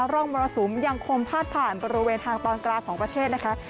ร่องมรสุมยังคงพาดผ่านบริเวณทางตอนกลางของประเทศนะคะ